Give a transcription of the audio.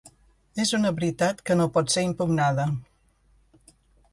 És una veritat que no pot ésser impugnada.